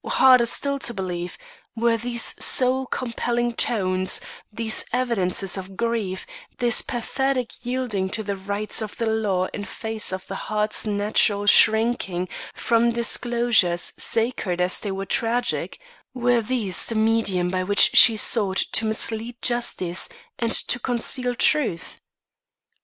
Or, harder still to believe, were these soul compelling tones, these evidences of grief, this pathetic yielding to the rights of the law in face of the heart's natural shrinking from disclosures sacred as they were tragic were these the medium by which she sought to mislead justice and to conceal truth?